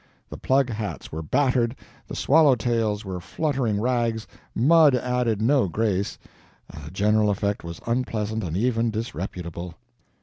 The plug hats were battered, the swallow tails were fluttering rags, mud added no grace, the general effect was unpleasant and even disreputable.